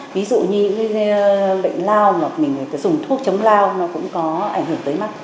ví dụ như bệnh lao mình phải dùng thuốc chống lao nó cũng có ảnh hưởng tới mắt